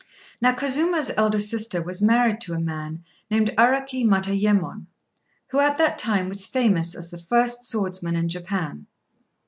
Now Kazuma's elder sister was married to a man named Araki Matayémon, who at that time was famous as the first swordsman in Japan.